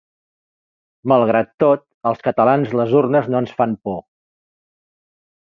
Malgrat tot, als catalans les urnes no ens fan por.